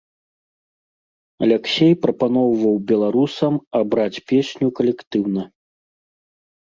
Аляксей прапаноўваў беларусам абраць песню калектыўна.